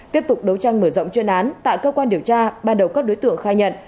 tiếp tục đấu tranh mở rộng chuyên án tại cơ quan điều tra ban đầu các đối tượng khai nhận